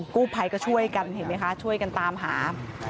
กู้ภัยก็ช่วยกันเห็นไหมคะช่วยกันตามหา